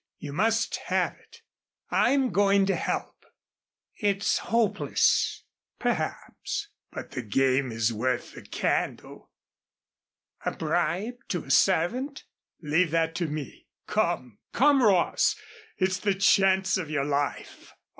You must have it. I'm going to help." "It's hopeless." "Perhaps. But the game is worth the candle." "A bribe to a servant?" "Leave that to me. Come, come, Ross, it's the chance of your life.